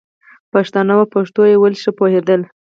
پښتانه وو او په پښتو ویلو ښه پوهېدل.